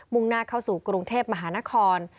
่งหน้าเข้าสู่กรุงเทพมหานคร